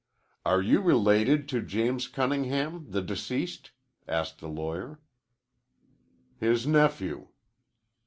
"Are you related to James Cunningham, the deceased?" asked the lawyer. "His nephew."